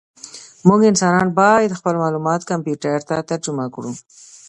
موږ انسانان باید خپل معلومات کمپیوټر ته ترجمه کړو.